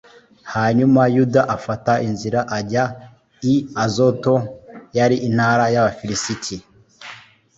hanyuma yuda afata inzira ajya i azoto, yari intara y'abafilisiti